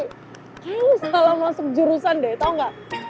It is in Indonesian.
kayaknya lu salah masuk jurusan deh tau gak